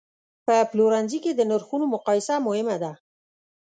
په پلورنځي کې د نرخونو مقایسه مهمه ده.